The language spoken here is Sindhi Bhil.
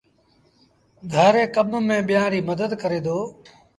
گھر ري ڪم ميݩ ٻيٚآݩ ريٚ مدت ڪري دو